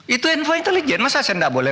itu info intelijen masa saya tidak boleh